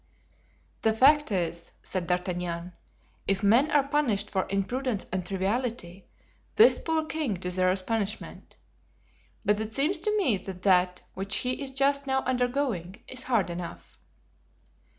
"The fact is," said D'Artagnan, "if men are punished for imprudence and triviality, this poor king deserves punishment. But it seems to me that that which he is just now undergoing is hard enough."